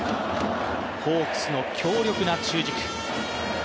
ホークスの強力な中軸。